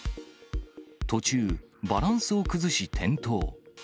途中、バランスを崩し転倒。